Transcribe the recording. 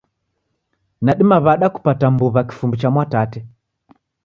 Nadima w'ada kupata mbuw'a kifumbu cha Mwatate?